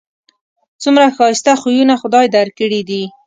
څومره ښایسته خویونه خدای در کړي دي